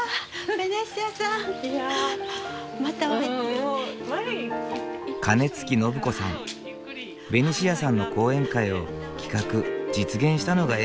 ベニシアさんの講演会を企画実現したのが縁で友達になった。